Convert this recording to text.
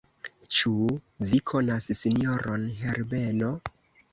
Ĉu vi konas sinjoron Herbeno?